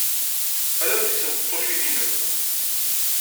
Ad am-d-kksen tiṭṭawin-nnem!